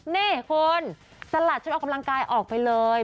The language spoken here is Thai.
นี่คุณสลัดชุดออกกำลังกายออกไปเลย